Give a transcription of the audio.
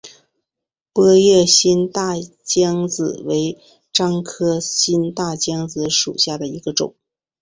波叶新木姜子为樟科新木姜子属下的一个种。